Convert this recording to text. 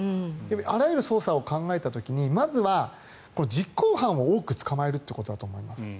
あらゆる捜査を考えた時にまずは実行犯を多く捕まえることだと思います。